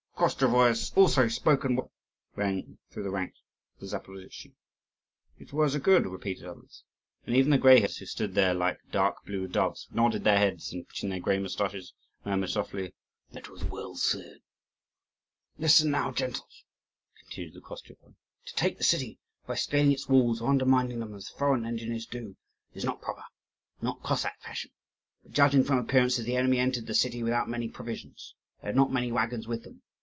"The Koschevoi has also spoken well!" rang through the ranks of the Zaporozhtzi. "His words are good," repeated others. And even the greyheads, who stood there like dark blue doves, nodded their heads and, twitching their grey moustaches, muttered softly, "That was well said." "Listen now, gentles," continued the Koschevoi. "To take the city, by scaling its walls, or undermining them as the foreign engineers do, is not proper, not Cossack fashion. But, judging from appearances, the enemy entered the city without many provisions; they had not many waggons with them.